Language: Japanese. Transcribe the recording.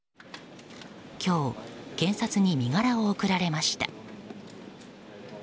今日、検察に身柄を送られました。